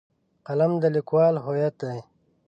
قلم د لیکوال هویت دی.